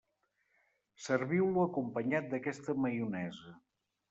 Serviu-lo acompanyat d'aquesta maionesa.